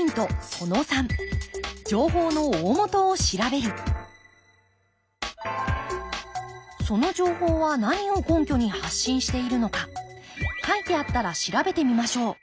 その３その情報は何を根拠に発信しているのか書いてあったら調べてみましょう。